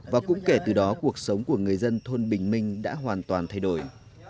và cũng kể từ đó cuộc sống của người dân thôn bình minh đã hoàn toàn thay đổi